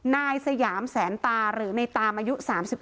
นายสยามแสนตาหรือในตามอายุ๓๙